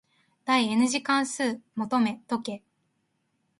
第 n 次導関数求めとけ。